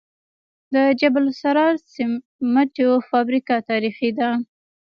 د جبل السراج سمنټو فابریکه تاریخي ده